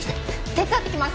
手伝ってきます！